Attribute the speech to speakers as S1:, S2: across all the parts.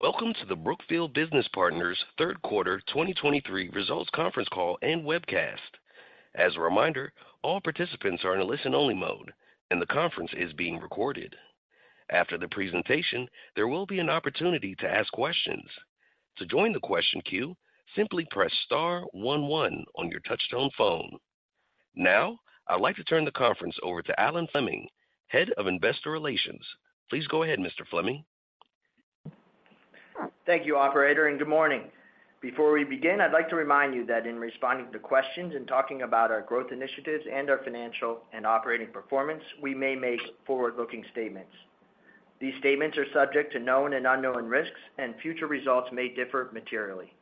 S1: Welcome to the Brookfield Business Partners Q3 2023 results conference call and webcast. As a reminder, all participants are in a listen-only mode, and the conference is being recorded. After the presentation, there will be an opportunity to ask questions. To join the question queue, simply press star one one on your touchtone phone. Now, I'd like to turn the conference over to Alan Fleming, Head of Investor Relations. Please go ahead, Mr. Fleming.
S2: Thank you, operator, and good morning. Before we begin, I'd like to remind you that in responding to questions and talking about our growth initiatives and our financial and operating performance, we may make forward-looking statements. These statements are subject to known and unknown risks, and future results may differ materially.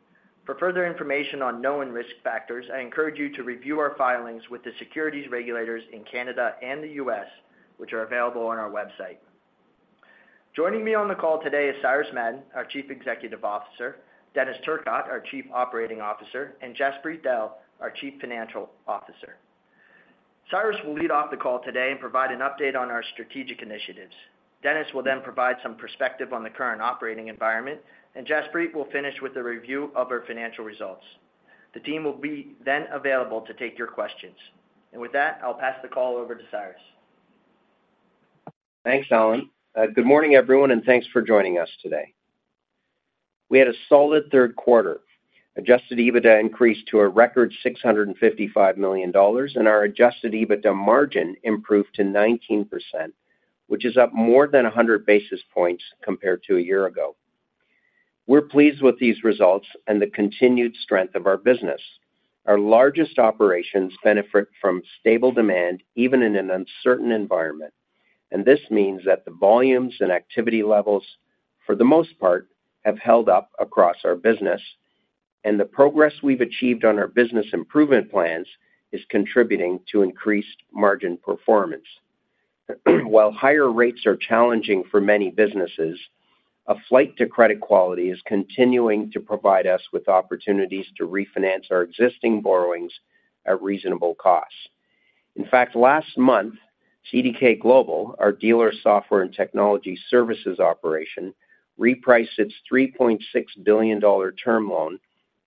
S2: For further information on known risk factors, I encourage you to review our filings with the securities regulators in Canada and the U.S., which are available on our website. Joining me on the call today is Cyrus Madon, our Chief Executive Officer, Denis Turcotte, our Chief Operating Officer, and Jaspreet Dehl, our Chief Financial Officer. Cyrus will lead off the call today and provide an update on our strategic initiatives. Denis will then provide some perspective on the current operating environment, and Jaspreet will finish with a review of our financial results. The team will be then available to take your questions. With that, I'll pass the call over to Cyrus.
S3: Thanks, Alan. Good morning, everyone, and thanks for joining us today. We had a solid Q3. Adjusted EBITDA increased to a record $655 million, and our adjusted EBITDA margin improved to 19%, which is up more than 100 basis points compared to a year ago. We're pleased with these results and the continued strength of our business. Our largest operations benefit from stable demand, even in an uncertain environment, and this means that the volumes and activity levels, for the most part, have held up across our business, and the progress we've achieved on our business improvement plans is contributing to increased margin performance. While higher rates are challenging for many businesses, a flight to credit quality is continuing to provide us with opportunities to refinance our existing borrowings at reasonable costs. In fact, last month, CDK Global, our dealer software and technology services operation, repriced its $3.6 billion term loan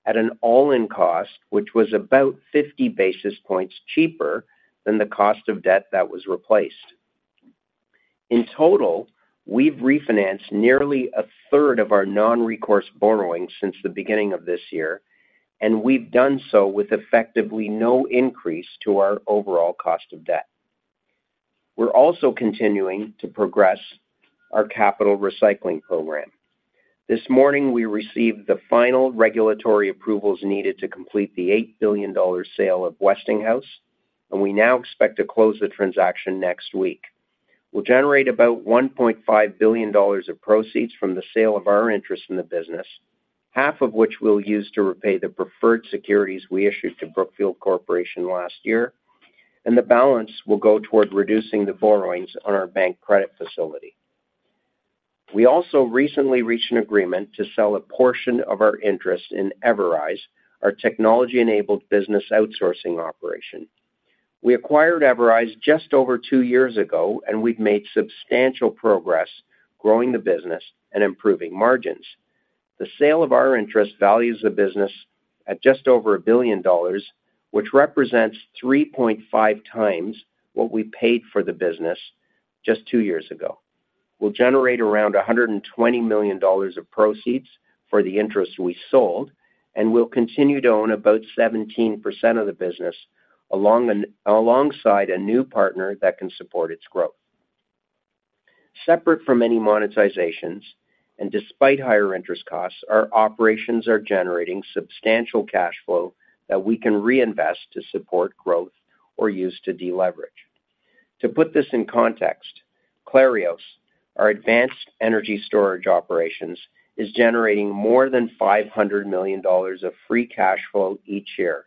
S3: at an all-in cost, which was about 50 basis points cheaper than the cost of debt that was replaced. In total, we've refinanced nearly a third of our non-recourse borrowing since the beginning of this year, and we've done so with effectively no increase to our overall cost of debt. We're also continuing to progress our capital recycling program. This morning, we received the final regulatory approvals needed to complete the $8 billion sale of Westinghouse, and we now expect to close the transaction next week. We'll generate about $1.5 billion of proceeds from the sale of our interest in the business, half of which we'll use to repay the preferred securities we issued to Brookfield Corporation last year, and the balance will go toward reducing the borrowings on our bank credit facility. We also recently reached an agreement to sell a portion of our interest in Everise, our technology-enabled business outsourcing operation. We acquired Everise just over two years ago, and we've made substantial progress growing the business and improving margins. The sale of our interest values the business at just over $1 billion, which represents 3.5 times what we paid for the business just two years ago. We'll generate around $120 million of proceeds for the interest we sold, and we'll continue to own about 17% of the business alongside a new partner that can support its growth. Separate from any monetizations, and despite higher interest costs, our operations are generating substantial cash flow that we can reinvest to support growth or use to deleverage. To put this in context, Clarios, our advanced energy storage operations, is generating more than $500 million of free cash flow each year,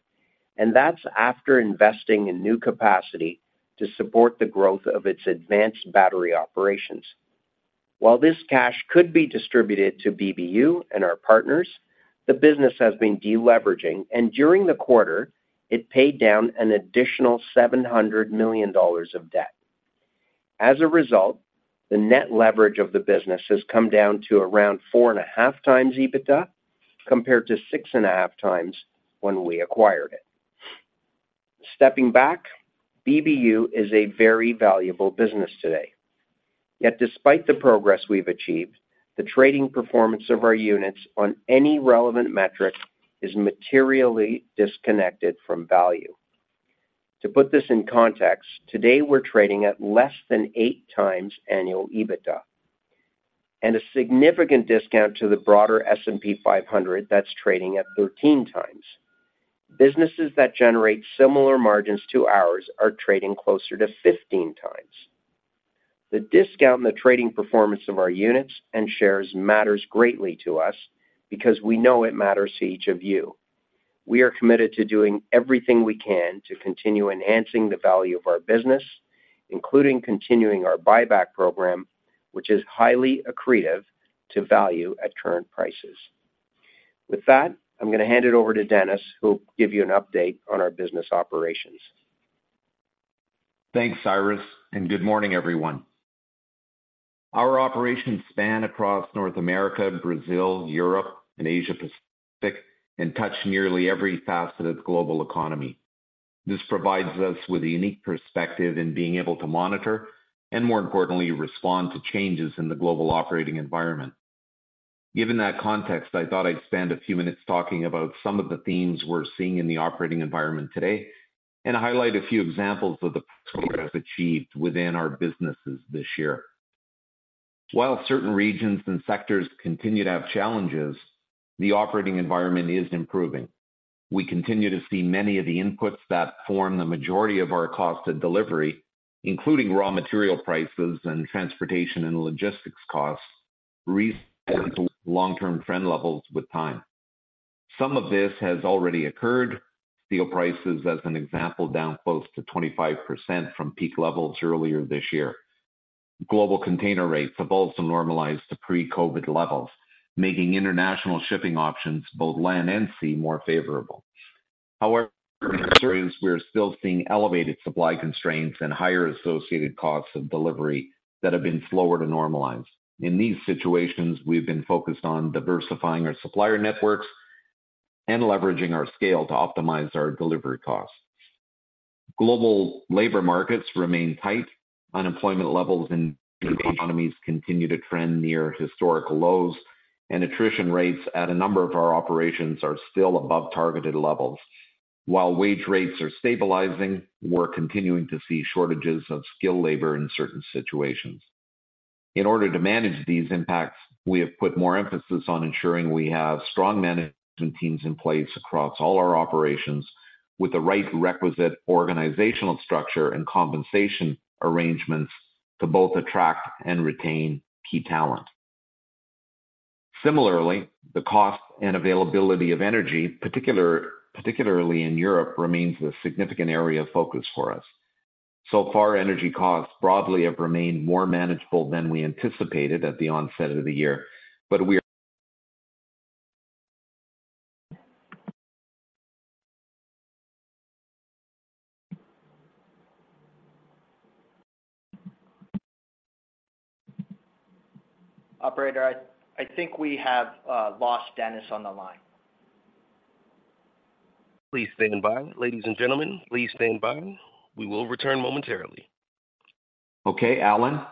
S3: and that's after investing in new capacity to support the growth of its advanced battery operations. While this cash could be distributed to BBU and our partners, the business has been deleveraging, and during the quarter, it paid down an additional $700 million of debt. As a result, the net leverage of the business has come down to around 4.5x EBITDA, compared to 6.5x when we acquired it. Stepping back, BBU is a very valuable business today. Yet despite the progress we've achieved, the trading performance of our units on any relevant metric is materially disconnected from value. To put this in context, today, we're trading at less than 8x annual EBITDA and a significant discount to the broader S&P 500 that's trading at 13x. Businesses that generate similar margins to ours are trading closer to 15x. The discount in the trading performance of our units and shares matters greatly to us because we know it matters to each of you. We are committed to doing everything we can to continue enhancing the value of our business, including continuing our buyback program, which is highly accretive to value at current prices. With that, I'm going to hand it over to Denis, who'll give you an update on our business operations.
S4: Thanks, Cyrus, and good morning, everyone. Our operations span across North America, Brazil, Europe, and Asia Pacific, and touch nearly every facet of the global economy. This provides us with a unique perspective in being able to monitor, and more importantly, respond to changes in the global operating environment. Given that context, I thought I'd spend a few minutes talking about some of the themes we're seeing in the operating environment today, and highlight a few examples of the progress achieved within our businesses this year. While certain regions and sectors continue to have challenges, the operating environment is improving. We continue to see many of the inputs that form the majority of our cost of delivery, including raw material prices and transportation and logistics costs, reset to long-term trend levels with time. Some of this has already occurred. Steel prices, as an example, down close to 25% from peak levels earlier this year. Global container rates have also normalized to pre-COVID levels, making international shipping options, both land and sea, more favorable. However, we are still seeing elevated supply constraints and higher associated costs of delivery that have been slower to normalize. In these situations, we've been focused on diversifying our supplier networks and leveraging our scale to optimize our delivery costs. Global labor markets remain tight. Unemployment levels in economies continue to trend near historical lows, and attrition rates at a number of our operations are still above targeted levels. While wage rates are stabilizing, we're continuing to see shortages of skilled labor in certain situations. In order to manage these impacts, we have put more emphasis on ensuring we have strong management teams in place across all our operations, with the right requisite organizational structure and compensation arrangements to both attract and retain key talent. Similarly, the cost and availability of energy, particularly in Europe, remains a significant area of focus for us. So far, energy costs broadly have remained more manageable than we anticipated at the onset of the year, but we are-
S2: Operator, I think we have lost Denis on the line.
S1: Please stand by. Ladies and gentlemen, please stand by. We will return momentarily.
S4: Okay, Alan?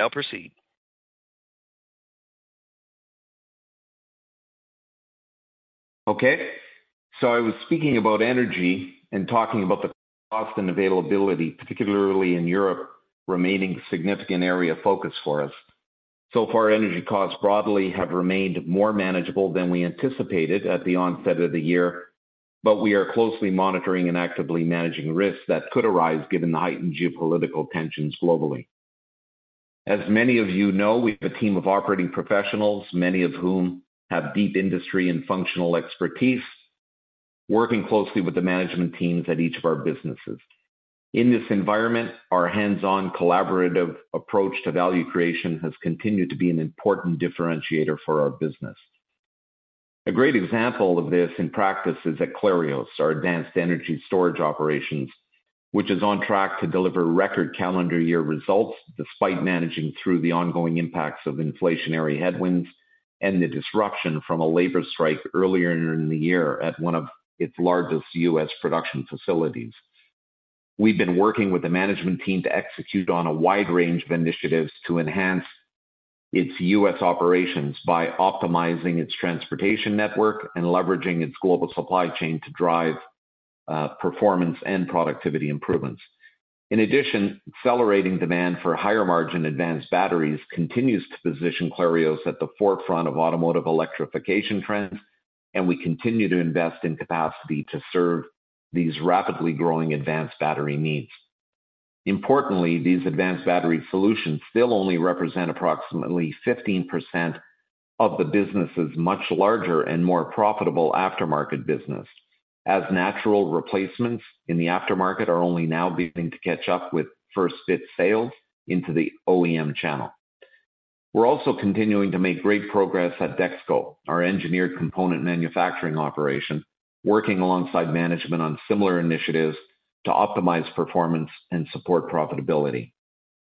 S1: You may now proceed.
S4: Okay. I was speaking about energy and talking about the cost and availability, particularly in Europe, remaining a significant area of focus for us. So far, energy costs broadly have remained more manageable than we anticipated at the onset of the year, but we are closely monitoring and actively managing risks that could arise given the heightened geopolitical tensions globally. As many of you know, we have a team of operating professionals, many of whom have deep industry and functional expertise, working closely with the management teams at each of our businesses. In this environment, our hands-on collaborative approach to value creation has continued to be an important differentiator for our business. A great example of this in practice is at Clarios, our advanced energy storage operations, which is on track to deliver record calendar year results despite managing through the ongoing impacts of inflationary headwinds and the disruption from a labor strike earlier in the year at one of its largest U.S. production facilities. We've been working with the management team to execute on a wide range of initiatives to enhance its U.S. operations by optimizing its transportation network and leveraging its global supply chain to drive performance and productivity improvements. In addition, accelerating demand for higher-margin advanced batteries continues to position Clarios at the forefront of automotive electrification trends, and we continue to invest in capacity to serve these rapidly growing advanced battery needs. Importantly, these advanced battery solutions still only represent approximately 15% of the business's much larger and more profitable aftermarket business, as natural replacements in the aftermarket are only now beginning to catch up with first-fit sales into the OEM channel. We're also continuing to make great progress at DexKo, our engineered component manufacturing operation, working alongside management on similar initiatives to optimize performance and support profitability.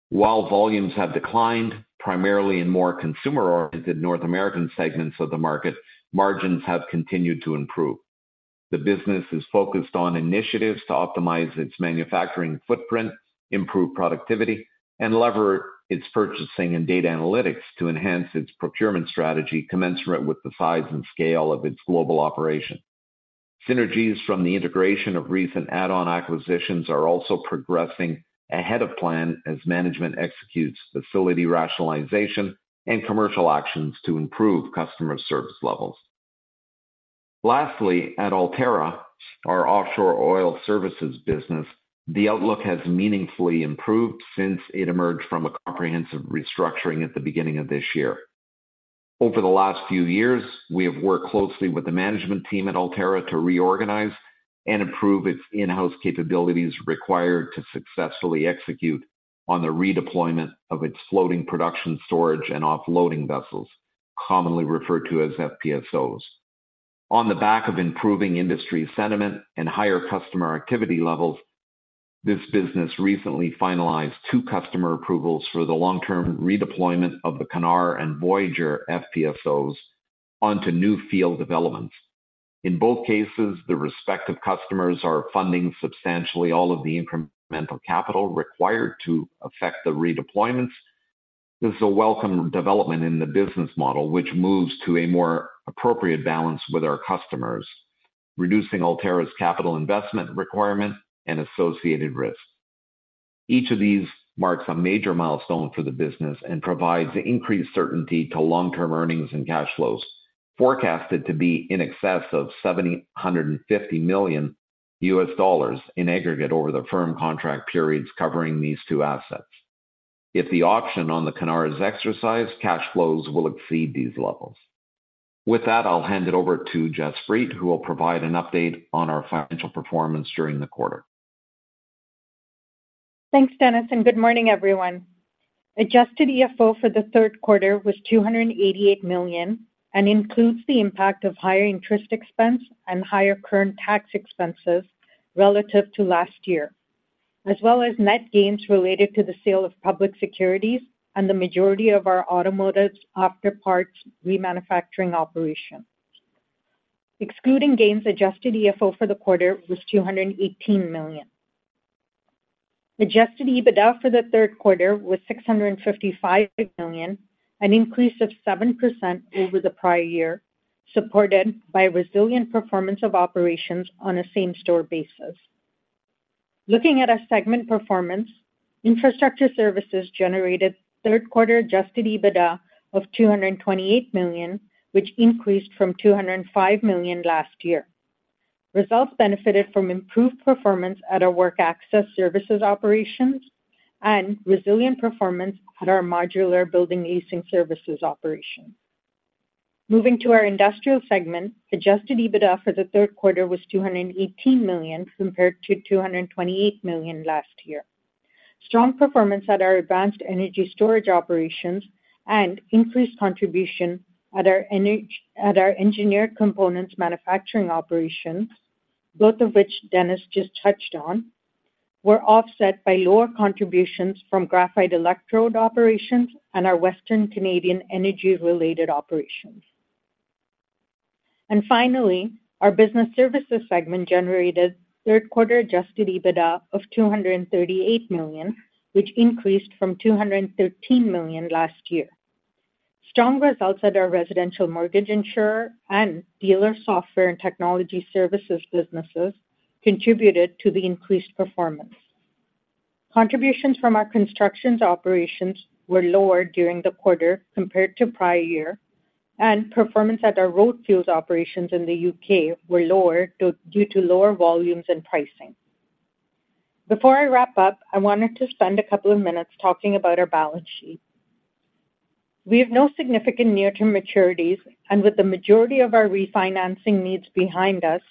S4: While volumes have declined, primarily in more consumer-oriented North American segments of the market, margins have continued to improve. The business is focused on initiatives to optimize its manufacturing footprint, improve productivity, and lever its purchasing and data analytics to enhance its procurement strategy, commensurate with the size and scale of its global operation. Synergies from the integration of recent add-on acquisitions are also progressing ahead of plan as management executes facility rationalization and commercial actions to improve customer service levels. Lastly, at Altera, our offshore oil services business, the outlook has meaningfully improved since it emerged from a comprehensive restructuring at the beginning of this year. Over the last few years, we have worked closely with the management team at Altera to reorganize and improve its in-house capabilities required to successfully execute on the redeployment of its floating production storage and offloading vessels, commonly referred to as FPSOs. On the back of improving industry sentiment and higher customer activity levels, this business recently finalized two customer approvals for the long-term redeployment of the Knarr and Voyageur FPSOs onto new field developments. In both cases, the respective customers are funding substantially all of the incremental capital required to affect the redeployments. This is a welcome development in the business model, which moves to a more appropriate balance with our customers, reducing Altera's capital investment requirement and associated risk. Each of these marks a major milestone for the business and provides increased certainty to long-term earnings and cash flows, forecasted to be in excess of $750 million in aggregate over the firm contract periods covering these two assets. If the option on the Knarr is exercised, cash flows will exceed these levels. With that, I'll hand it over to Jaspreet, who will provide an update on our financial performance during the quarter.
S5: Thanks, Denis, and good morning, everyone. Adjusted EFO for Q3 was $288 million, and includes the impact of higher interest expense and higher current tax expenses relative to last year, as well as net gains related to the sale of public securities and the majority of our automotive after-parts remanufacturing operation. Excluding gains, adjusted EFO for the quarter was $218 million. Adjusted EBITDA for Q3 was $655 million, an increase of 7% over the prior year, supported by resilient performance of operations on a same-store basis. Looking at our segment performance, infrastructure services generated Q3 adjusted EBITDA of $228 million, which increased from $205 million last year. Results benefited from improved performance at our work access services operations and resilient performance at our modular building leasing services operation. Moving to our industrial segment, Adjusted EBITDA for Q3 was $218 million, compared to $228 million last year. Strong performance at our advanced energy storage operations and increased contribution at our engineered components manufacturing operations, both of which Denis just touched on, were offset by lower contributions from graphite electrode operations and our Western Canadian energy-related operations. Finally, our business services segment generated Q3 Adjusted EBITDA of $238 million, which increased from $213 million last year. Strong results at our residential mortgage insurer and dealer software and technology services businesses contributed to the increased performance. Contributions from our construction operations were lower during the quarter compared to prior year, and performance at our road fuels operations in the UK were lower due to lower volumes and pricing. Before I wrap up, I wanted to spend a couple of minutes talking about our balance sheet. We have no significant near-term maturities, and with the majority of our refinancing needs behind us,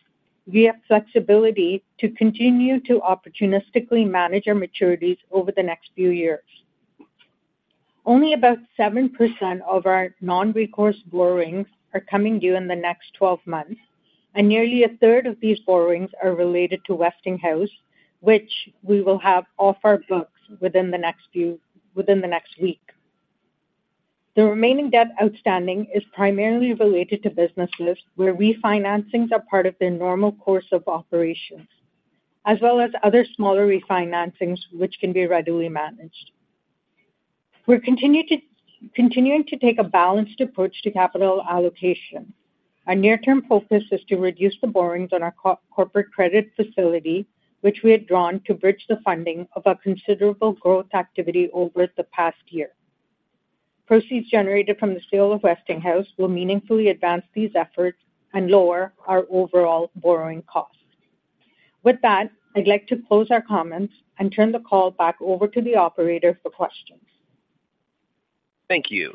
S5: we have flexibility to continue to opportunistically manage our maturities over the next few years. Only about 7% of our non-recourse borrowings are coming due in the next 12 months, and nearly a third of these borrowings are related to Westinghouse, which we will have off our books within the next week. The remaining debt outstanding is primarily related to businesses where refinancings are part of their normal course of operations, as well as other smaller refinancings, which can be readily managed. We're continuing to take a balanced approach to capital allocation. Our near-term focus is to reduce the borrowings on our corporate credit facility, which we had drawn to bridge the funding of our considerable growth activity over the past year. Proceeds generated from the sale of Westinghouse will meaningfully advance these efforts and lower our overall borrowing costs. With that, I'd like to close our comments and turn the call back over to the operator for questions.
S1: Thank you.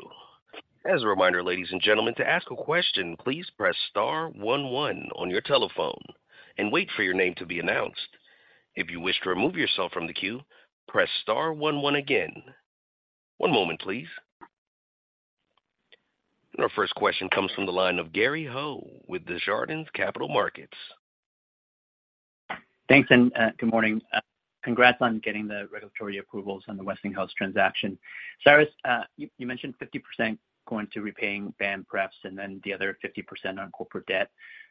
S1: As a reminder, ladies and gentlemen, to ask a question, please press star one one on your telephone and wait for your name to be announced. If you wish to remove yourself from the queue, press star one one again. One moment, please. Our first question comes from the line of Gary Ho with Desjardins Capital Markets.
S6: Thanks, and good morning. Congrats on getting the regulatory approvals on the Westinghouse transaction. Cyrus, you mentioned 50% going to repaying BAM pref, and then the other 50% on corporate debt.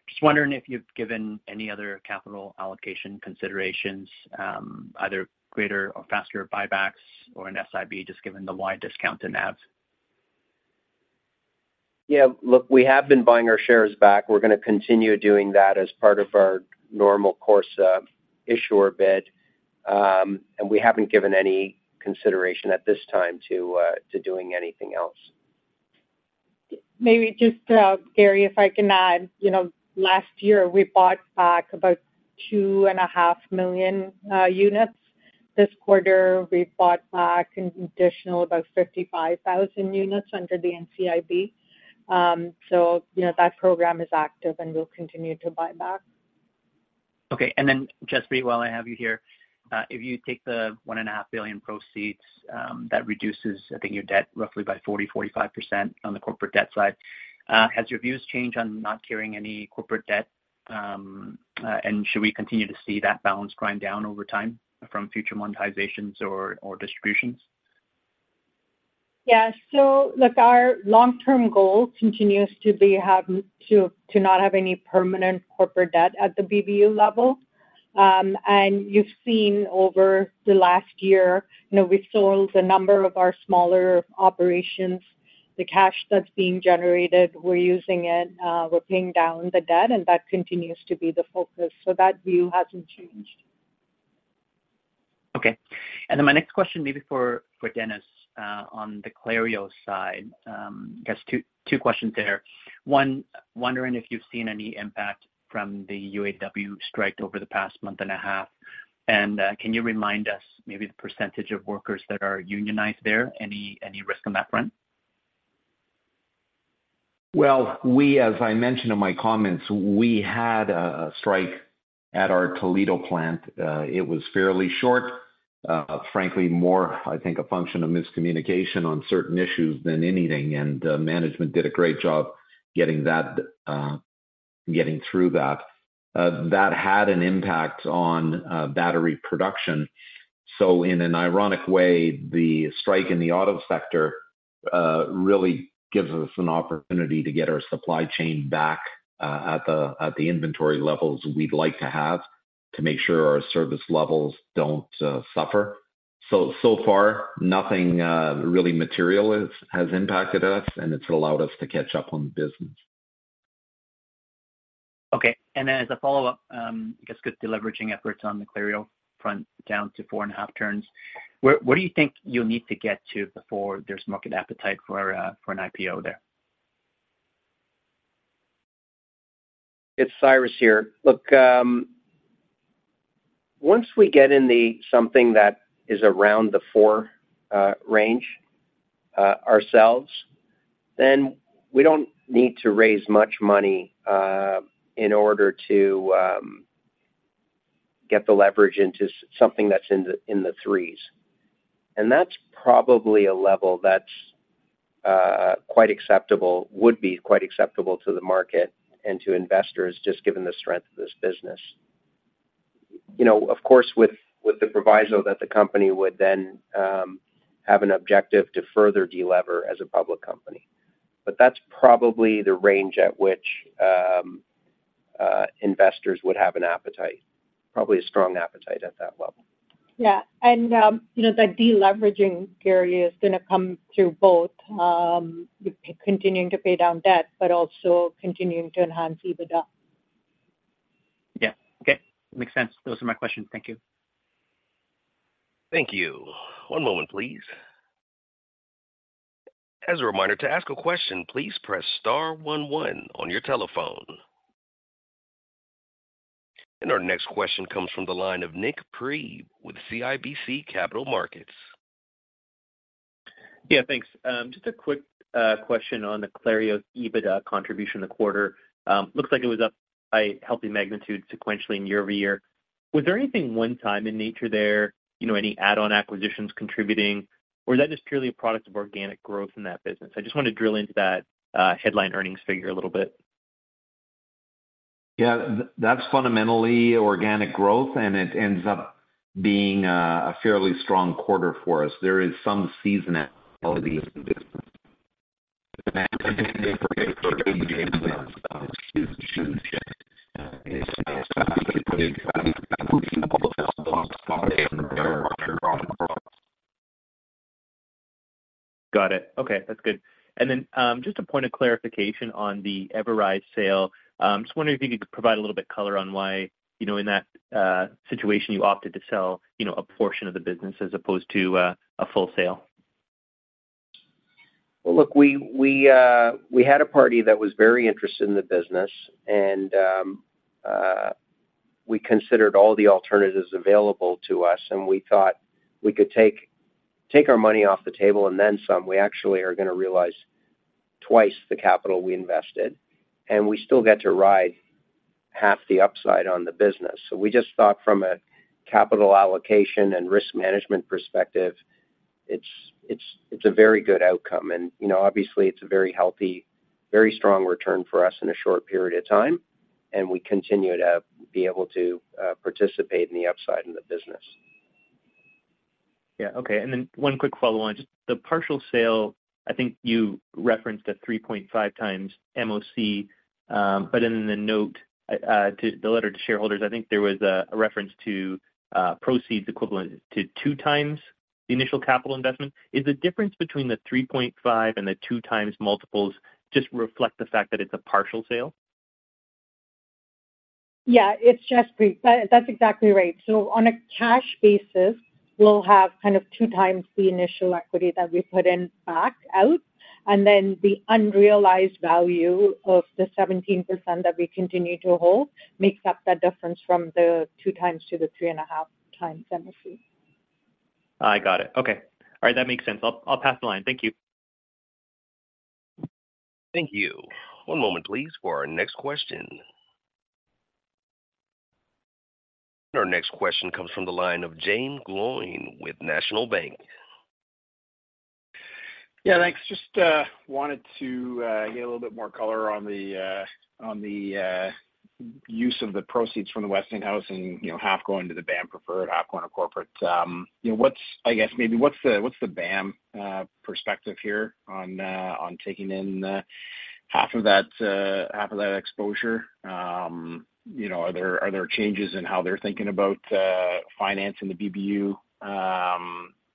S6: Just wondering if you've given any other capital allocation considerations, either greater or faster buybacks or an SIB, just given the wide discount to NAV?...
S3: Yeah, look, we have been buying our shares back. We're gonna continue doing that as part of our normal course issuer bid. And we haven't given any consideration at this time to doing anything else.
S5: Maybe just, Gary, if I can add. You know, last year, we bought back about 2.5 million units. This quarter, we bought back an additional about 55,000 units under the NCIB. So, you know, that program is active, and we'll continue to buy back.
S6: Okay. And then, Jaspreet, while I have you here, if you take the $1.5 billion proceeds, that reduces, I think, your debt roughly by 40%-45% on the corporate debt side. Has your views changed on not carrying any corporate debt, and should we continue to see that balance grind down over time from future monetizations or distributions?
S5: Yeah. So look, our long-term goal continues to be to not have any permanent corporate debt at the BBU level. And you've seen over the last year, you know, we've sold a number of our smaller operations. The cash that's being generated, we're using it, we're paying down the debt, and that continues to be the focus, so that view hasn't changed.
S6: Okay. And then my next question may be for, for Denis, on the Clarios side. I guess two, two questions there. One, wondering if you've seen any impact from the UAW strike over the past month and a half, and, can you remind us maybe the percentage of workers that are unionized there? Any risk on that front?
S4: Well, as I mentioned in my comments, we had a strike at our Toledo plant. It was fairly short, frankly, more I think a function of miscommunication on certain issues than anything, and management did a great job getting through that. That had an impact on battery production. So in an ironic way, the strike in the auto sector really gives us an opportunity to get our supply chain back at the inventory levels we'd like to have, to make sure our service levels don't suffer. So far, nothing really material has impacted us, and it's allowed us to catch up on the business.
S6: Okay. Then as a follow-up, I guess, good deleveraging efforts on the Clarios front, down to 4.5 turns. Where—what do you think you'll need to get to before there's market appetite for, for an IPO there?
S3: It's Cyrus here. Look, once we get in the something that is around the 4 range ourselves, then we don't need to raise much money in order to get the leverage into something that's in the, in the 3s. And that's probably a level that's quite acceptable, would be quite acceptable to the market and to investors, just given the strength of this business. You know, of course, with the proviso that the company would then have an objective to further delever as a public company. But that's probably the range at which investors would have an appetite, probably a strong appetite at that level.
S5: Yeah, and, you know, the deleveraging, Gary, is gonna come through both, continuing to pay down debt, but also continuing to enhance EBITDA.
S6: Yeah. Okay. Makes sense. Those are my questions. Thank you.
S1: Thank you. One moment, please. As a reminder, to ask a question, please press star one, one on your telephone. And our next question comes from the line of Nik Priebe with CIBC Capital Markets.
S7: Yeah, thanks. Just a quick question on the Clarios EBITDA contribution in the quarter. Looks like it was up by a healthy magnitude sequentially and year-over-year. Was there anything one time in nature there, you know, any add-on acquisitions contributing, or is that just purely a product of organic growth in that business? I just wanted to drill into that, headline earnings figure a little bit.
S4: Yeah, that's fundamentally organic growth, and it ends up being a fairly strong quarter for us. There is some seasonality in the business.
S7: Got it. Okay, that's good. And then, just a point of clarification on the Everise sale. Just wondering if you could provide a little bit color on why, you know, in that, situation, you opted to sell, you know, a portion of the business as opposed to a full sale?
S3: Well, look, we had a party that was very interested in the business, and we considered all the alternatives available to us, and we thought we could take our money off the table and then some. We actually are gonna realize twice the capital we invested, and we still get to ride half the upside on the business. So we just thought from a capital allocation and risk management perspective, it's a very good outcome. And you know, obviously, it's a very healthy, very strong return for us in a short period of time, and we continue to be able to participate in the upside in the business.
S7: Yeah. Okay. And then one quick follow-on. Just the partial sale, I think you referenced a 3.5x MOC, but in the note to the letter to shareholders, I think there was a reference to proceeds equivalent to 2x the initial capital investment. Is the difference between the 3.5 and the 2x multiples just reflect the fact that it's a partial sale?
S5: Yeah, it's Jaspreet. That's exactly right. So on a cash basis, we'll have kind of 2x the initial equity that we put in back out, and then the unrealized value of the 17% that we continue to hold makes up that difference from the 2x to the 3.5x MOC.
S7: I got it. Okay. All right, that makes sense. I'll, I'll pass the line. Thank you.
S1: Thank you. One moment, please, for our next question. Our next question comes from the line of Jaeme Gloyn with National Bank.
S8: Yeah, thanks. Just wanted to get a little bit more color on the use of the proceeds from the Westinghouse and, you know, half going to the BAM Preferred, half going to corporate. You know, what's-- I guess, maybe what's the, what's the BAM perspective here on taking in half of that exposure? You know, are there changes in how they're thinking about financing the BBU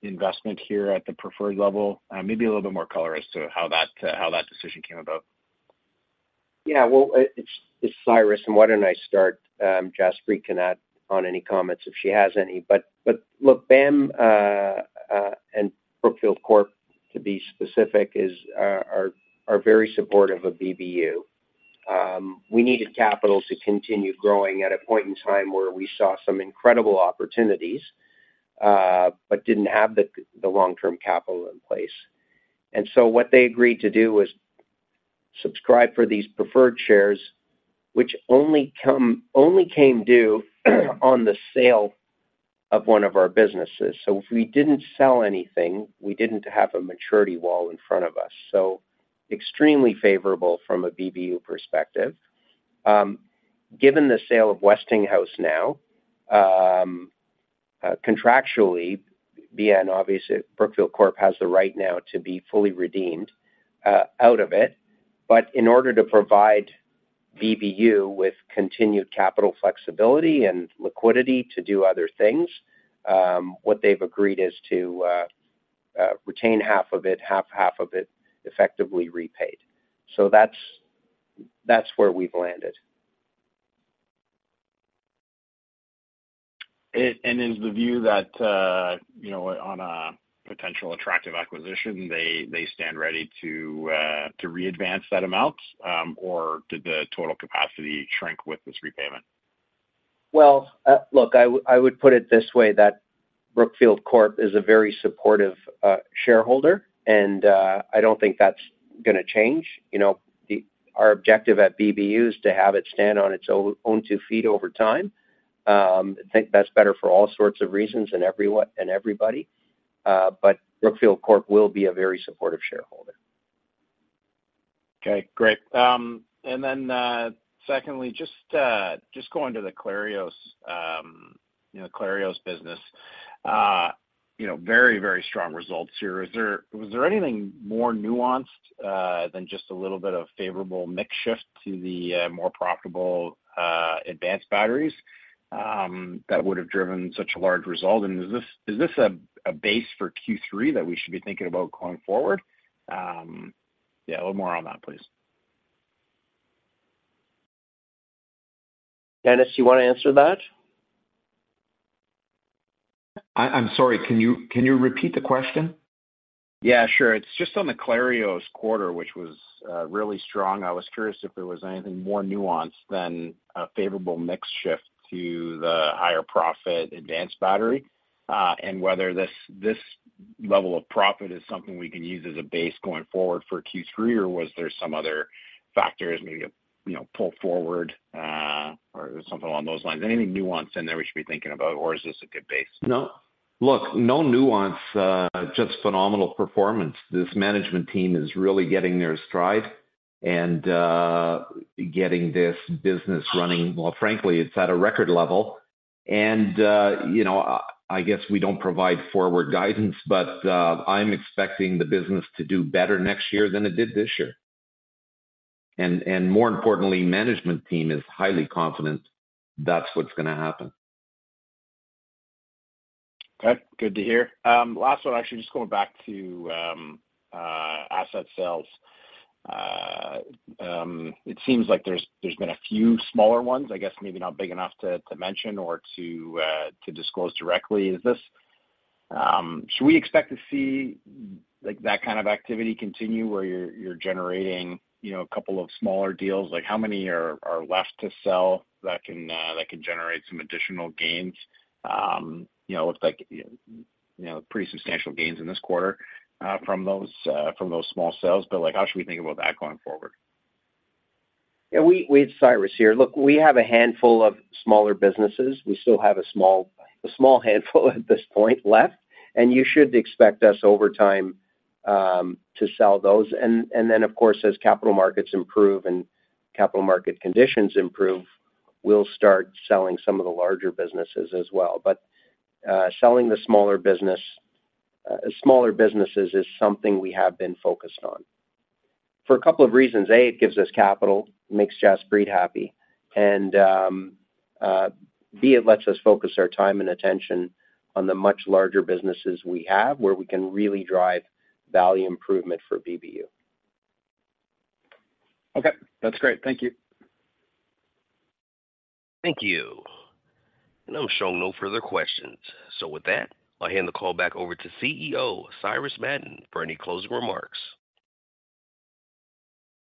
S8: investment here at the preferred level? Maybe a little bit more color as to how that decision came about.
S3: Yeah, well, it's Cyrus, and why don't I start? Jaspreet can add on any comments, if she has any. But look, BAM and Brookfield Corporation, to be specific, are very supportive of BBU. We needed capital to continue growing at a point in time where we saw some incredible opportunities, but didn't have the long-term capital in place. And so what they agreed to do was subscribe for these preferred shares, which only came due on the sale of one of our businesses. So if we didn't sell anything, we didn't have a maturity wall in front of us, so extremely favorable from a BBU perspective. Given the sale of Westinghouse now, contractually, BAM, obviously, Brookfield Corporation, has the right now to be fully redeemed out of it. But in order to provide BBU with continued capital flexibility and liquidity to do other things, what they've agreed is to retain half of it, have half of it effectively repaid. So that's where we've landed.
S8: Is the view that, you know, on a potential attractive acquisition, they, they stand ready to readvance that amount, or did the total capacity shrink with this repayment?
S3: Well, look, I would, I would put it this way, that Brookfield Corp is a very supportive shareholder, and I don't think that's gonna change. You know, our objective at BBU is to have it stand on its own, own two feet over time. I think that's better for all sorts of reasons and everybody, but Brookfield Corp will be a very supportive shareholder.
S8: Okay, great. And then, secondly, just, just going to the Clarios, you know, Clarios business, you know, very, very strong results here. Is there—was there anything more nuanced, than just a little bit of favorable mix shift to the, more profitable, advanced batteries, that would have driven such a large result? And is this, is this a, a base for Q3 that we should be thinking about going forward? Yeah, a little more on that, please.
S3: Denis, you want to answer that?
S4: I'm sorry. Can you repeat the question?
S8: Yeah, sure. It's just on the Clarios quarter, which was really strong. I was curious if there was anything more nuanced than a favorable mix shift to the higher profit advanced battery, and whether this level of profit is something we can use as a base going forward for Q3, or was there some other factors maybe, you know, pull forward, or something along those lines? Anything nuanced in there we should be thinking about, or is this a good base?
S4: No. Look, no nuance, just phenomenal performance. This management team is really getting their stride and getting this business running. Well, frankly, it's at a record level and, you know, I guess we don't provide forward guidance, but I'm expecting the business to do better next year than it did this year. And more importantly, management team is highly confident that's what's gonna happen.
S8: Okay, good to hear. Last one, actually, just going back to asset sales. It seems like there's been a few smaller ones, I guess, maybe not big enough to mention or to disclose directly. Is this? Should we expect to see, like, that kind of activity continue, where you're generating, you know, a couple of smaller deals? Like, how many are left to sell that can generate some additional gains? You know, looks like, you know, pretty substantial gains in this quarter, from those small sales, but, like, how should we think about that going forward?
S3: Yeah, it's Cyrus here. Look, we have a handful of smaller businesses. We still have a small handful at this point left, and you should expect us over time to sell those. And then, of course, as capital markets improve and capital market conditions improve, we'll start selling some of the larger businesses as well. But selling the smaller businesses is something we have been focused on. For a couple of reasons: A, it gives us capital, makes Jaspreet happy, and B, it lets us focus our time and attention on the much larger businesses we have, where we can really drive value improvement for BBU.
S8: Okay. That's great. Thank you.
S1: Thank you. I'm showing no further questions. With that, I'll hand the call back over to CEO Cyrus Madon for any closing remarks.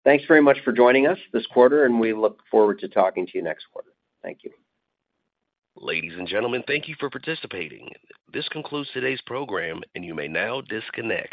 S3: Thanks very much for joining us this quarter, and we look forward to talking to you next quarter. Thank you.
S1: Ladies and gentlemen, thank you for participating. This concludes today's program, and you may now disconnect.